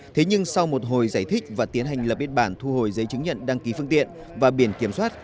thế nhưng sau một hồi giải thích và tiến hành lập biên bản thu hồi giấy chứng nhận đăng ký phương tiện và biển kiểm soát